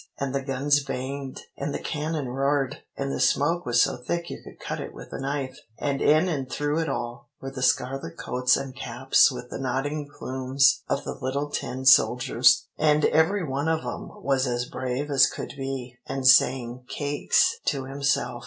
And the guns banged, and the cannon roared, and the smoke was so thick you could cut it with a knife, and in and through it all were the scarlet coats and caps with the nodding plumes of the little tin soldiers. And every one of 'em was as brave as could be, and saying 'cakes' to himself.